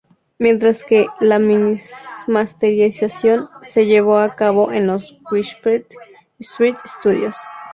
Mientras que la masterización se llevó a cabo en los Whitfield Street Studios.